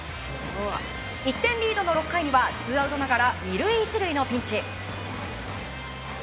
１点リードの６回にはツーアウトながら２塁１塁のピンチ。